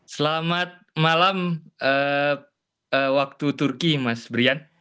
selamat malam waktu turki mas brian